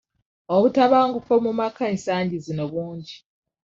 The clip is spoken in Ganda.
Obutabanguko mu maka ensangi zino bungi.